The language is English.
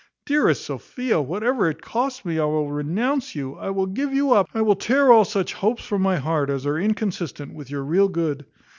Dearest Sophia, whatever it costs me, I will renounce you; I will give you up; I will tear all such hopes from my heart as are inconsistent with your real good.